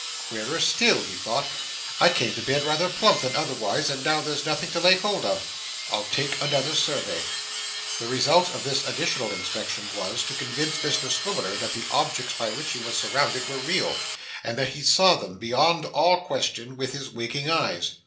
'Queerer still!' he thought. 'I came to bed rather plump than otherwise, and now there's nothing to lay hold of. I'll take another survey.' The result of this additional inspection was, to convince Mr Swiveller that the objects by which he was surrounded were real, and that he saw them, beyond all question, with his waking eyes.